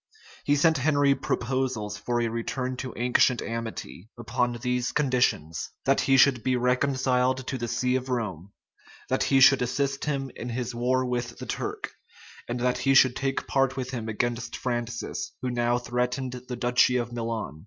He sent Henry proposals for a return to ancient amity, upon these conditions:[] that he should be reconciled to the see of Rome, that he should assist him in his war with the Turk, and that he should take part with him against Francis, who now threatened the duchy of Milan.